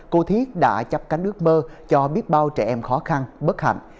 cô thiết đã chấp cánh ước mơ cho biết bao trẻ em khó khăn bất hạnh